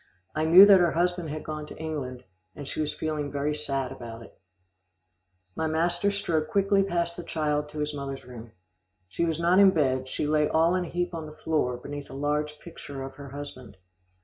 I knew that her husband had gone to England, and she was feeling very sad about it. My master strode quickly past the child to his mother's room. She was not in bed, she lay all in a heap on the floor, beneath a large picture of her husband.